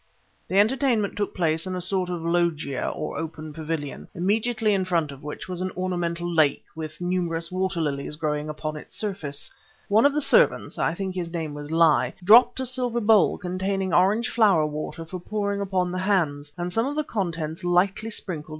The entertainment took place in a sort of loggia or open pavilion, immediately in front of which was an ornamental lake, with numerous waterlilies growing upon its surface. One of the servants, I think his name was Li, dropped a silver bowl containing orange flower water for pouring upon the hands, and some of the contents lightly sprinkled M.